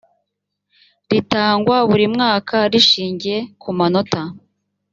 ritangwa buri mwaka rishingiye ku manota